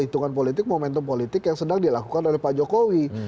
hitungan politik momentum politik yang sedang dilakukan oleh pak jokowi